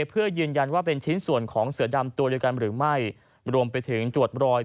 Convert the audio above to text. เพื่อยืนยันว่าเป็นชิ้นส่วนของเสือดำตัวเดียวกันหรือไม่รวมไปถึงตรวจรอย